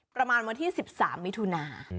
ประมาณวันที่๑๓มิถุนา